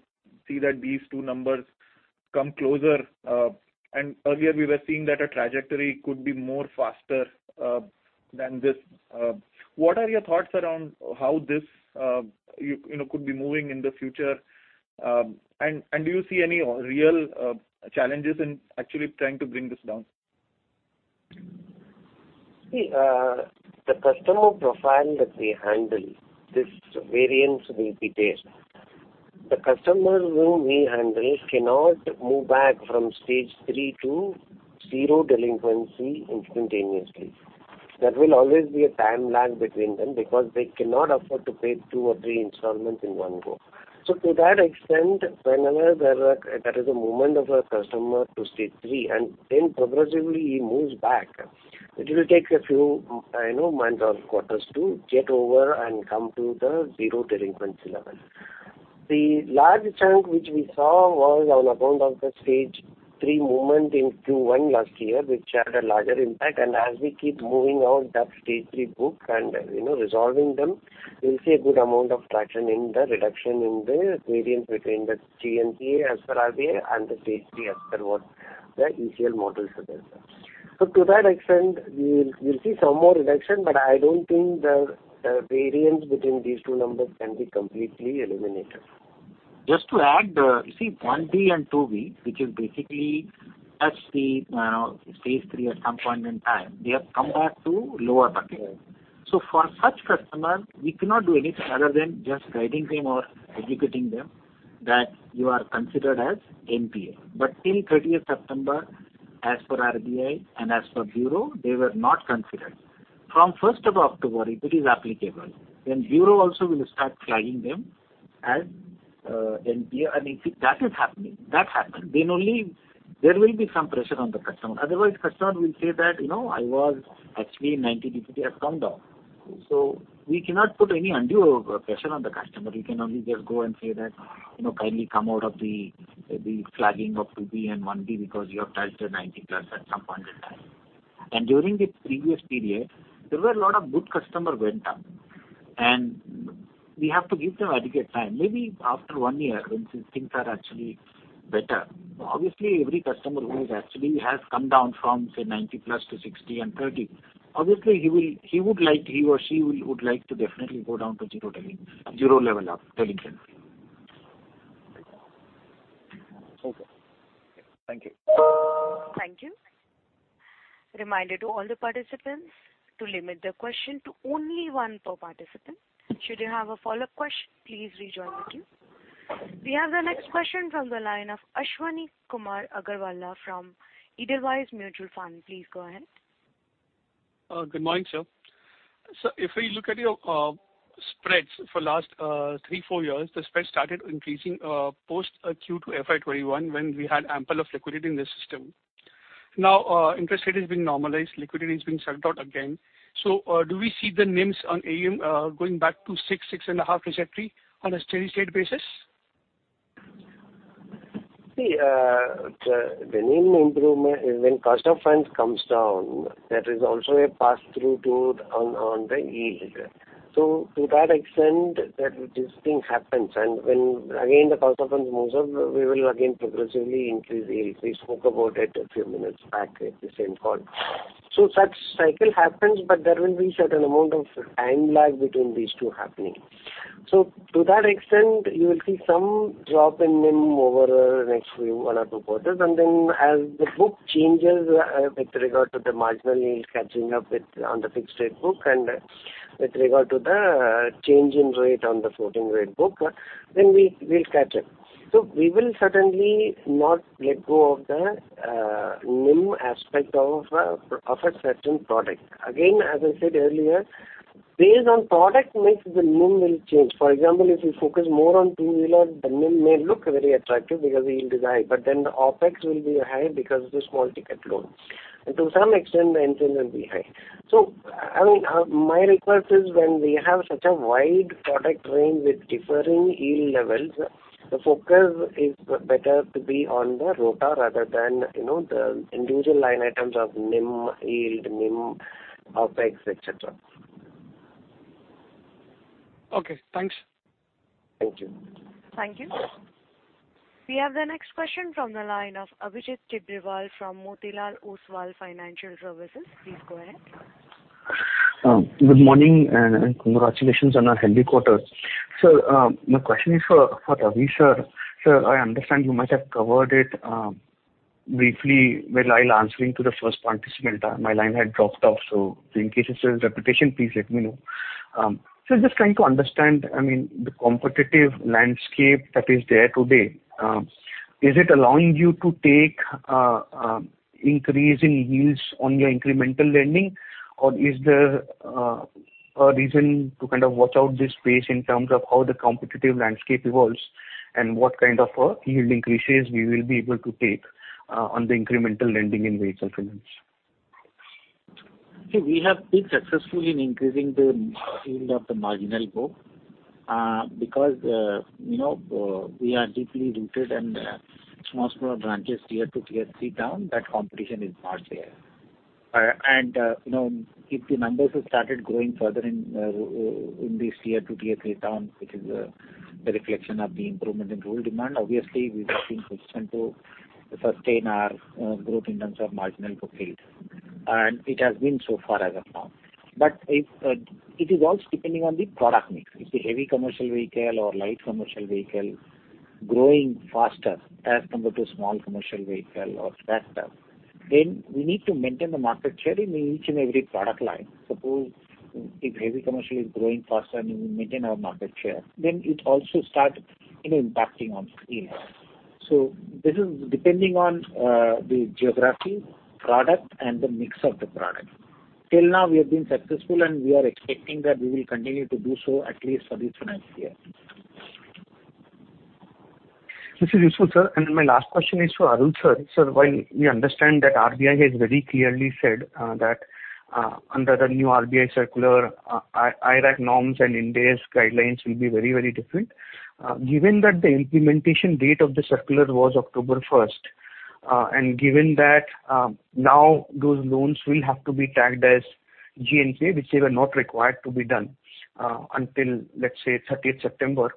see that these two numbers come closer. And earlier we were seeing that a trajectory could be more faster, than this. What are your thoughts around how this, you know, could be moving in the future? Do you see any real challenges in actually trying to bring this down? See, the customer profile that we handle this variance will be there. The customers whom we handle cannot move back from stage three to zero delinquency instantaneously. There will always be a time lag between them because they cannot afford to pay two or three installments in one go. To that extent, whenever there is a movement of a customer to stage three and then progressively he moves back, it will take a few, you know, months or quarters to get over and come to the zero delinquency level. The large chunk which we saw was on account of the stage three movement in Q1 last year, which had a larger impact. As we keep moving out that stage three book and, you know, resolving them, we'll see a good amount of traction in the reduction in the variance between the GNPA as per RBI and the stage three as per what the ECL model suggests. To that extent, we'll see some more reduction, but I don't think the variance between these two numbers can be completely eliminated. Just to add, you see, 1B and 2B, which is basically as the stage three at some point in time, they have come back to lower bucket. For such customer, we cannot do anything other than just guiding them or educating them that you are considered as NPA. But till thirtieth September, as per RBI and as per Bureau, they were not considered. From first of October, it is applicable when Bureau also will start flagging them as NPA. I mean, that is happening. That happened. Only there will be some pressure on the customer. Otherwise, customer will say that, you know, "I was actually 90, but it has come down." We cannot put any undue pressure on the customer. We can only just go and say that, you know, "Kindly come out of the flagging of 2B and 1B because you have touched the 90+ at some point in time." During the previous period, there were a lot of good customer went up, and we have to give them adequate time. Maybe after one year when things are actually better. Obviously, every customer who actually has come down from, say, 90+ to 60 and 30, obviously he would like, he or she would like to definitely go down to zero level of delinquency. Okay. Thank you. Thank you. Reminder to all the participants to limit the question to only one per participant. Should you have a follow-up question, please rejoin the queue. We have the next question from the line of Ashwani Kumar Agarwalla from Edelweiss Mutual Fund. Please go ahead. Good morning, sir. If we look at your spreads for the last 3 years-4 years, the spread started increasing post Q2 FY 2021 when we had ample liquidity in the system. Now, interest rate has been normalized, liquidity is being sucked out again. Do we see the NIMs on AUM going back to 6%-6.5% trajectory on a steady state basis? See, the NIM improvement is when cost of funds comes down, that is also a pass-through to the yield. To that extent that this thing happens and when again the cost of funds moves up, we will again progressively increase yield. We spoke about it a few minutes back at the same call. Such cycle happens, but there will be certain amount of time lag between these two happening. To that extent you will see some drop in NIM over next few one or two quarters. Then as the book changes, with regard to the marginal yield catching up with the fixed rate book and with regard to the change in rate on the floating rate book, we'll catch it. We will certainly not let go of the NIM aspect of a certain product. Again, as I said earlier, based on product mix, the NIM will change. For example, if you focus more on two-wheeler, the NIM may look very attractive because the yield is high, but then the OpEx will be high because it is small ticket loan. To some extent, the interest will be high. So, I mean, my request is when we have such a wide product range with differing yield levels, the focus is better to be on the ROTA rather than, you know, the individual line items of NIM, yield NIM, OpEx, et cetera. Okay, thanks. Thank you. Thank you. We have the next question from the line of Abhijit Tibrewal from Motilal Oswal Financial Services. Please go ahead. Good morning and congratulations on a healthy quarter. Sir, my question is for Ravindra Kumar Kundu, sir. Sir, I understand you might have covered it briefly while answering to the first participant. My line had dropped off. In case it's a repetition, please let me know. Just trying to understand, I mean, the competitive landscape that is there today, is it allowing you to take increase in yields on your incremental lending? Or is there a reason to kind of watch out this space in terms of how the competitive landscape evolves and what kind of yield increases we will be able to take on the incremental lending in Vehicle Finance? Okay. We have been successful in increasing the yield of the marginal book, because, you know, we are deeply rooted in small, smaller branches tier two, tier three town, that competition is not there. You know, if the numbers have started growing further in this tier two, tier three towns, which is the reflection of the improvement in rural demand. Obviously, we have been positioned to sustain our growth in terms of marginal book yield. It has been so far as of now. If it is also depending on the product mix. If the heavy commercial vehicle or light commercial vehicle growing faster as compared to small commercial vehicle or tractor, then we need to maintain the market share in each and every product line. Suppose if heavy commercial is growing faster and we maintain our market share, then it also start, you know, impacting on yield. This is depending on the geography, product and the mix of the product. Till now we have been successful, and we are expecting that we will continue to do so at least for this financial year. This is useful, sir. My last question is for Arulselvan, sir. Sir, while we understand that RBI has very clearly said that under the new RBI circular, IRAC norms and Ind AS guidelines will be very, very different. Given that the implementation date of the circular was October first and given that now those loans will have to be tagged as NPA, which they were not required to be done until, let's say, thirtieth September.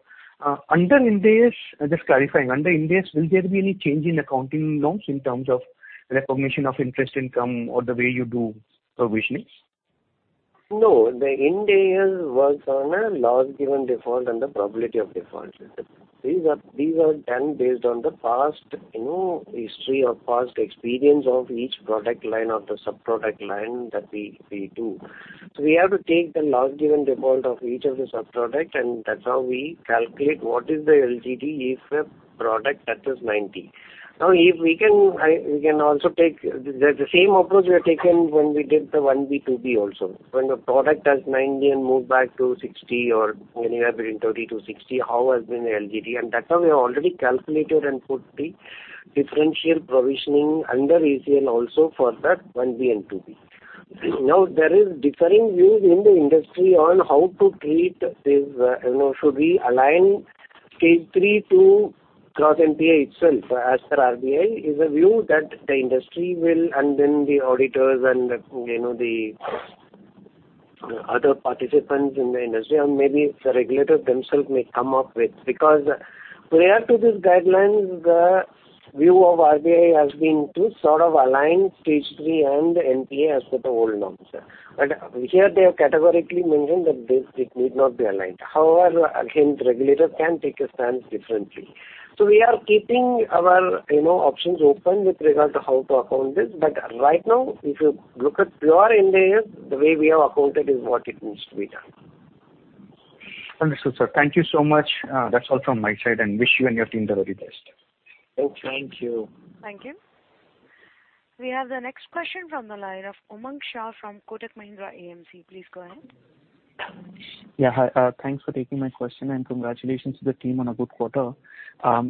Under Ind AS, just clarifying, under Ind AS, will there be any change in accounting norms in terms of recognition of interest income or the way you do provisionings? No, the Ind AS works on a loss given default and the probability of default. These are done based on the past, you know, history or past experience of each product line or the sub-product line that we do. We have to take the loss given default of each of the sub-product, and that's how we calculate what is the LGD if a product touches 90. We can also take the same approach we have taken when we did the 1B, 2B also. When the product has 90 and moved back to 60 or anywhere between 30-60, how has been the LGD? That's how we have already calculated and put the differential provisioning under ECL also for that 1B and 2B. Now, there is differing views in the industry on how to treat this, should we align stage three to gross NPA itself as per RBI, is a view that the industry will and then the auditors and, the other participants in the industry or maybe the regulators themselves may come up with. Because prior to these guidelines, the view of RBI has been to sort of align stage three and NPA as per the old norms. But here they have categorically mentioned that this, it need not be aligned. However, again, the regulator can take a stance differently. We are keeping our options open with regard to how to account this. Right now, if you look at pure Ind AS, the way we have accounted is what it needs to be done. Understood, sir. Thank you so much. That's all from my side, and wish you and your team the very best. Okay, thank you. Thank you. We have the next question from the line of Umang Shah from Kotak Mahindra AMC. Please go ahead. Yeah. Hi, thanks for taking my question, and congratulations to the team on a good quarter.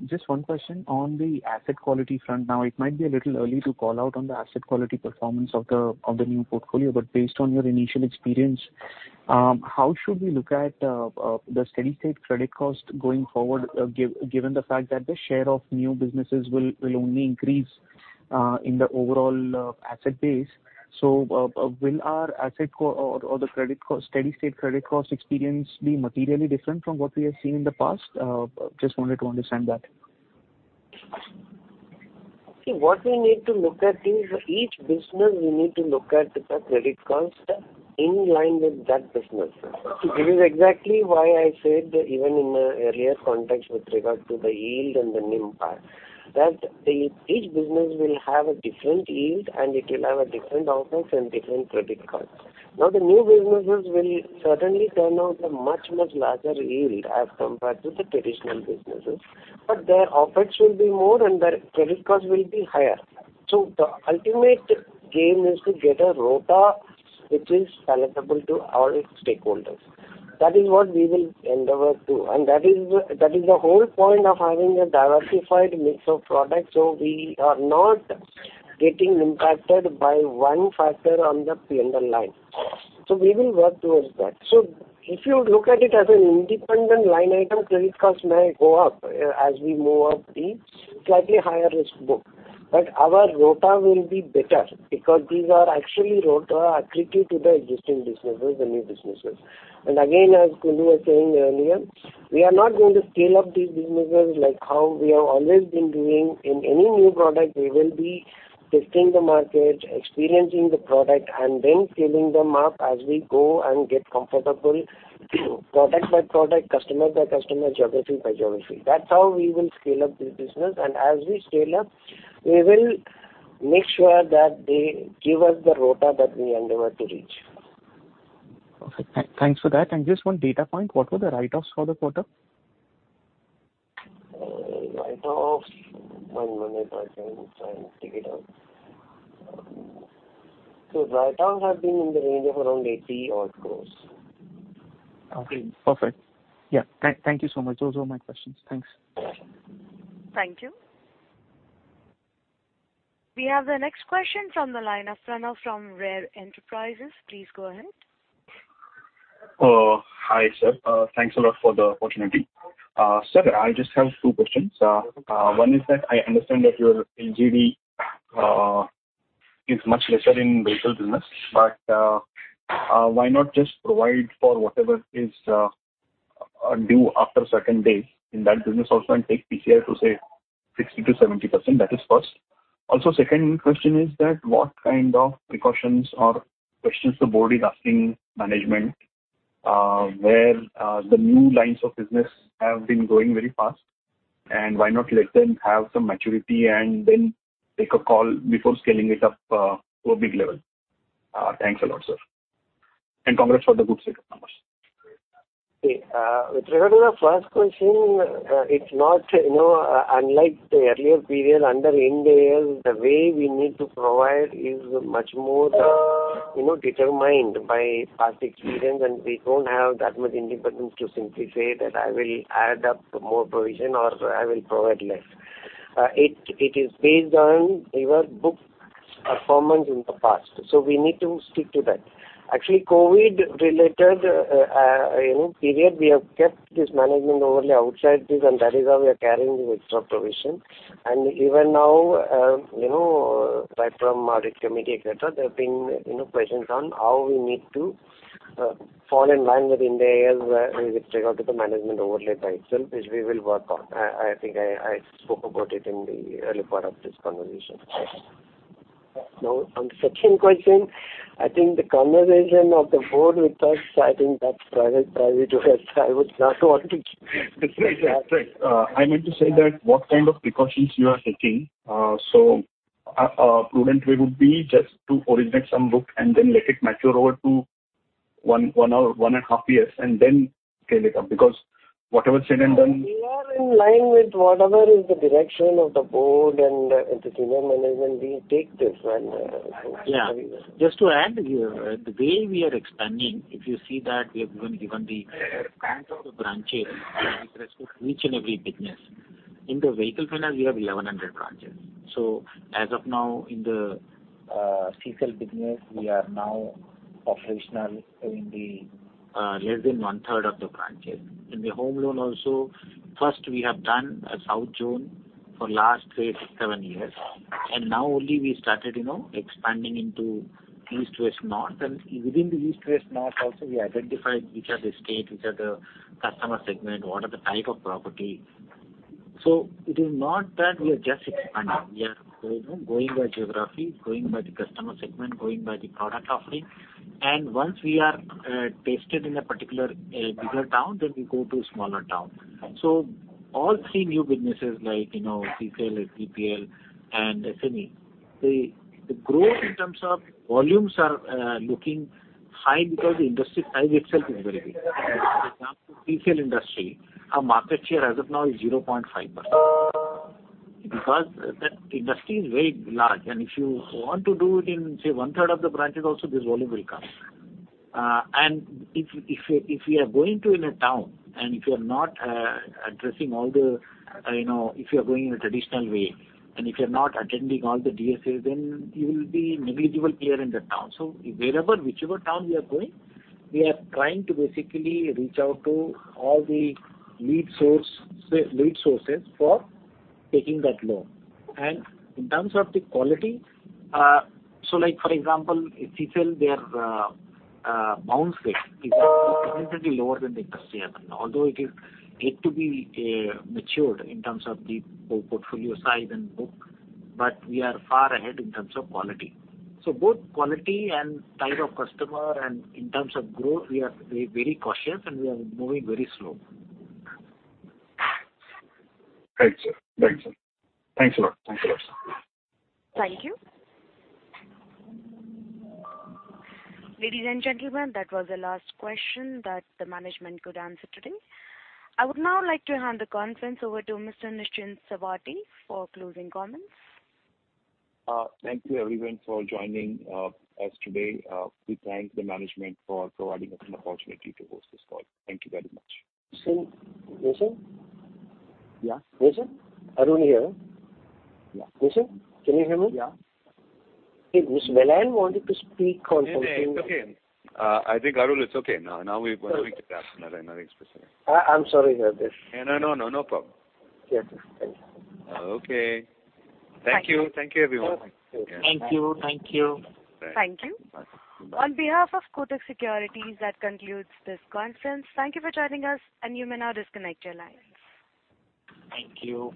Just one question on the asset quality front. Now, it might be a little early to call out on the asset quality performance of the new portfolio, but based on your initial experience, how should we look at the steady-state credit cost going forward, given the fact that the share of new businesses will only increase in the overall asset base? Will our asset cost or the credit cost, steady-state credit cost experience be materially different from what we have seen in the past? Just wanted to understand that. See, what we need to look at is each business we need to look at the credit cost in line with that business. This is exactly why I said even in an earlier context with regard to the yield and the NIM part, that the, each business will have a different yield and it will have a different OpEx and different credit cost. Now, the new businesses will certainly turn out a much, much larger yield as compared to the traditional businesses, but their OpEx will be more and their credit cost will be higher. The ultimate game is to get a ROTA which is acceptable to all its stakeholders. That is what we will endeavor to, and that is the whole point of having a diversified mix of products, so we are not getting impacted by one factor on the, in the line. We will work towards that. If you look at it as an independent line item, credit costs may go up as we move up the slightly higher risk book. Our ROTA will be better because these are actually ROTA accretive to the existing businesses, the new businesses. Again, as Kuldeep was saying earlier, we are not going to scale up these businesses like how we have always been doing. In any new product, we will be testing the market, experiencing the product and then scaling them up as we go and get comfortable product by product, customer by customer, geography by geography. That's how we will scale up this business. As we scale up, we will make sure that they give us the ROTA that we endeavor to reach. Okay, thanks for that. Just one data point. What were the write-offs for the quarter? Write-offs. One minute, I can try and dig it out. Write-downs have been in the range of around 80-odd crore. Okay, perfect. Yeah. Thank you so much. Those were my questions. Thanks. Thank you. We have the next question from the line of Pranav from Rare Enterprises. Please go ahead. Hi, sir. Thanks a lot for the opportunity. Sir, I just have two questions. One is that I understand that your LGD is much lesser in retail business, but why not just provide for whatever is due after certain days in that business also and take PCR to, say, 60%-70%? That is first. Also, second question is that what kind of precautions or questions the board is asking management where the new lines of business have been growing very fast, and why not let them have some maturity and then take a call before scaling it up to a big level? Thanks a lot, sir. Congrats for the good set of numbers. See, with regard to the first question, it's not, you know, unlike the earlier period, under Ind AS, the way we need to provide is much more, you know, determined by past experience, and we don't have that much independence to simply say that I will add up more provision or I will provide less. It is based on your book performance in the past, so we need to stick to that. Actually, COVID related period, we have kept this management overlay outside this, and that is how we are carrying this extra provision. Even now, you know, right from audit committee et cetera, there have been, you know, questions on how we need to fall in line with Ind AS with regard to the management overlay by itself, which we will work on. I think I spoke about it in the early part of this conversation. Now on the second question, I think the conversation of the board with us, I think that's private. I would not want to Yes. That's right. Yeah. Right. I meant to say that what kind of precautions you are taking, so a prudent way would be just to originate some book and then let it mature over one to one and a half years and then scale it up. Because whatever said and done. We are in line with whatever is the direction of the board and the senior management. We take this and, Yeah. Just to add here, the way we are expanding, if you see that we have been given the count of the branches with respect to each and every business. In the vehicle finance, we have 1,100 branches. As of now in the CSEL business, we are now operational in the less than one-third of the branches. In the home loan also, first we have done a south zone for last seven years, and now only we started, you know, expanding into east, west, north. Within the east, west, north also we identified which are the state, which are the customer segment, what are the type of property. It is not that we are just expanding. We are going by geography, going by the customer segment, going by the product offering. Once we are tested in a particular bigger town, then we go to smaller town. All three new businesses like, you know, CSEL, SBPL and SME, the growth in terms of volumes are looking high because the industry size itself is very big. For example, CSEL industry, our market share as of now is 0.5% because the industry is very large. If you want to do it in, say, one-third of the branches also, this volume will come. If you are going into a town and if you are not addressing all the, you know, if you are going in a traditional way, and if you're not attending all the DSAs, then you will be negligible player in the town. Wherever, whichever town we are going, we are trying to basically reach out to all the lead sources for taking that loan. In terms of the quality, like for example, in CSEL there bounce rate is significantly lower than the industry average. Although it is yet to be matured in terms of the whole portfolio size and book, but we are far ahead in terms of quality. Both quality and type of customer and in terms of growth, we are very cautious and we are moving very slow. Right, sir. Thanks a lot, sir. Thank you. Ladies and gentlemen, that was the last question that the management could answer today. I would now like to hand the conference over to Mr. Nischint Chawathe for closing comments. Thank you everyone for joining us today. We thank the management for providing us an opportunity to host this call. Thank you very much. Nischint? Yeah. Nischint? Arul here. Yeah. Nischint, can you hear me? Yeah. Mr. Vellayan Subbiah wanted to speak on something. No. It's okay. I think, Arun, it's okay. Now we're going to wind it up. Nothing specific. I'm sorry here then. No, no. No problem. Okay. Thank you. Okay. Thank you. Thank you everyone. Thank you. Thank you. Thank you. On behalf of Kotak Securities, that concludes this conference. Thank you for joining us, and you may now disconnect your lines. Thank you.